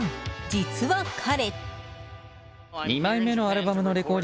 実は彼。